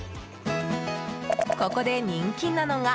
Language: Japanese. ここで人気なのが。